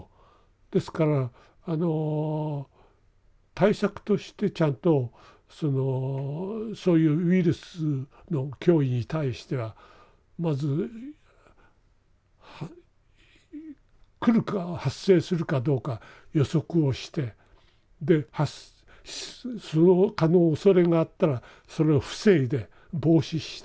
ですからあの対策としてちゃんとそういうウイルスの脅威に対してはまず来るか発生するかどうか予測をしてでそのおそれがあったらそれを防いで防止して。